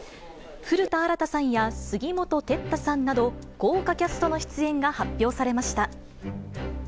古田新太さんや杉本哲太さんなど、豪華キャストの出演が発表されました。